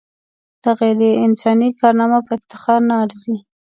دا غیر انساني کارنامه په افتخار نه ارزي.